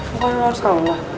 bukan lu harus kagum lah